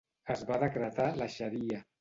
Es va decretar la xaria.